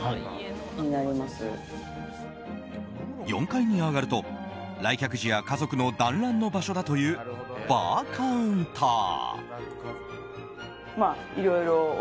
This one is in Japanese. ４階に上がると、来客時や家族のだんらんの場所だというバーカウンター。